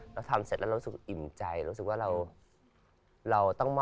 นิ่ง๓ชั่วโมง